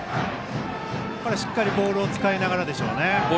しっかりボールを使いながらでしょうね。